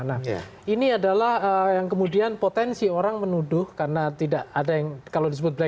nah ini adalah yang kemudian potensi orang lainnya yang bisa di frame dengan cara apa saja